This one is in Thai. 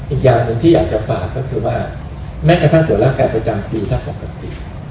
อีกอย่างหนึ่งที่อยากจะฝากก็คือว่าแม้กระทั่งตรวจร่างกายประจำปีถ้าปกติ